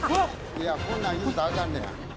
いやこんなん言うたらあかんねや。